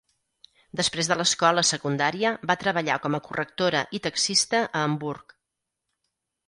Després de l'escola secundària, va treballar com a correctora i taxista a Hamburg.